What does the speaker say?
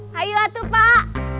hayu latuh pak